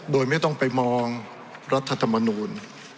โดยไม่ต้องไปมองรัฐธรรมนูล